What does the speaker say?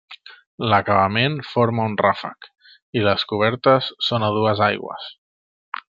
L'acabament forma un ràfec, i les cobertes són a dues aigües.